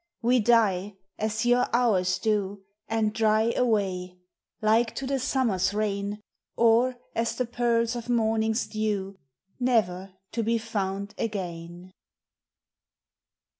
We die, As your hours doe, and drie Away, Like to the summer's raine, Or as the pearles of morning's dew, Ne'er to be found againe.